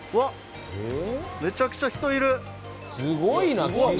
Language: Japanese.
すごいな！